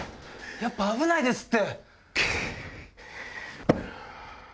やっぱ危ないですって！